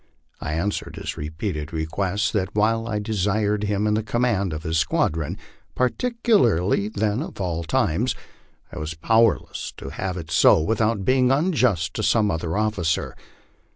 I answered his repeated request, that while I de sired him in command of his squadron, particularly the* of all times, 1 was powerless to have it so without being unjust to some other officer.